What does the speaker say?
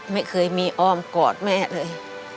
ไม่เคยมีอ้อมกอดแม่เลย